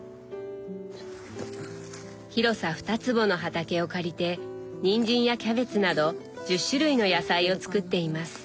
広さ２坪の畑を借りてにんじんやキャベツなど１０種類の野菜を作っています。